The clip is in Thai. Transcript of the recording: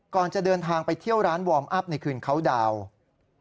ก่อนจะเดินทางไปเที่ยวร้านวอร์มอัพในคืนเขาดาวน์